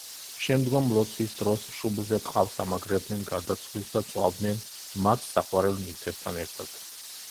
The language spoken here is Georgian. შემდგომ, ლოცვის დროს, შუბლზე ტყავს ამაგრებდნენ გარდაცვლილს და წვავდნენ მათ საყვარელ ნივთებთან ერთად.